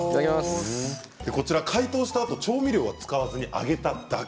解凍したあと調味料は使わずに揚げただけ。